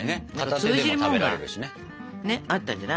通じるものがあったんじゃない？